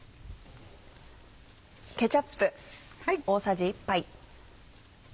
ケチャップ大さじ１杯。